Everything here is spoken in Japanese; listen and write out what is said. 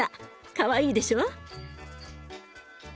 かわいいでしょ？